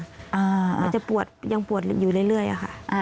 อาจจะปวดยังปวดอยู่เรื่อยค่ะ